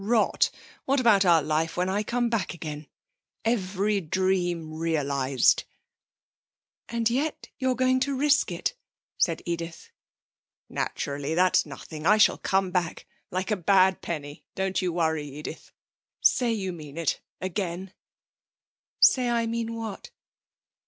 Rot! What about our life when I come back again? every dream realised!' 'And yet your going to risk it,' said Edith. 'Naturally; that's nothing. I shall come back like a bad penny, don't you worry. Edith, say you mean it, again.' 'Say I mean what?'